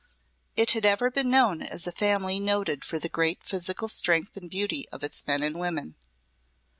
It had ever been known as a family noted for the great physical strength and beauty of its men and women.